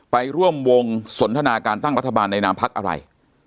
ไปร่วมวงสนทนาการตั้งรัฐบาลในนามพักอะไร